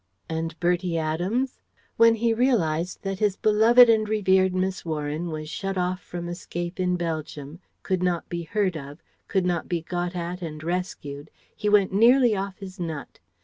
And Bertie Adams? When he realized that his beloved and revered Miss Warren was shut off from escape in Belgium, could not be heard of, could not be got at and rescued, he went nearly off his nut....